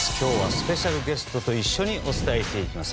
スペシャルゲストと一緒にお伝えしていきます。